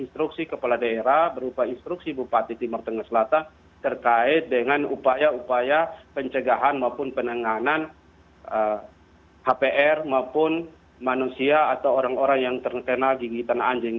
instruksi kepala daerah berupa instruksi bupati timur tengah selatan terkait dengan upaya upaya pencegahan maupun penanganan hpr maupun manusia atau orang orang yang terkena gigitan anjing